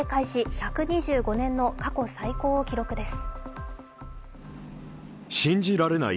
１２５年の過去最高を記録です。